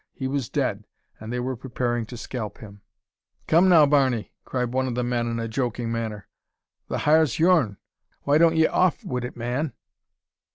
He was dead, and they were preparing to scalp him. "Come now, Barney!" cried one of the men in a joking manner, "the har's your'n. Why don't ye off wid it, man?"